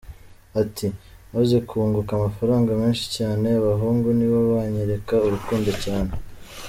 Ati “Maze kunguka amafaranga menshi cyane, abahungu nibo banyereka urukundo cyane.